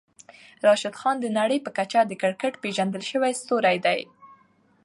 راشدخان د نړۍ په کچه د کريکيټ پېژندل شوی ستوری دی.